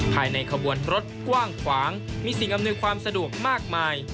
ภายในขบวนรถกว้างขวางมีสิ่งอำนวยความสะดวกมากมาย